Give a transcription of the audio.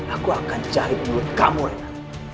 aku akan jahit mulut kamu reyna